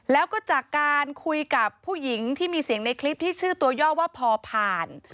แล้วก็จากการคุยกับผู้หญิงที่มีเสียงในคลิปที่ชื่อตัวย่อว่าพอผ่าน